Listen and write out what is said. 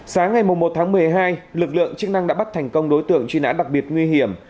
sáng ngày một tháng một mươi hai lực lượng chức năng đã bắt thành công đối tượng truy nã đặc biệt nguy hiểm